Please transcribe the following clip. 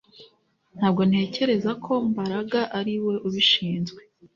Ntabwo ntekereza ko Mbaraga ari we ubishinzwe